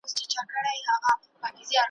د حاجتمندو حاجتونه راځي ,